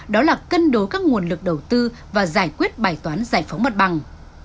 đó là cân đối các nguồn lực đầu tư và giải quyết bài toán giải phóng mặt bằng